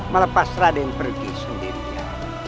melepas raden pergi sendirinya